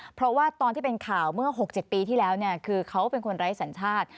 เพราะว่าตอนที่เป็นข่าวเมื่อ๖๗ปีที่แล้วคือเขาเป็นคนไร้สัญชาติ